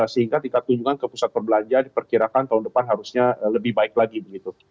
sehingga tingkat kunjungan ke pusat perbelanjaan diperkirakan tahun depan harusnya lebih baik lagi begitu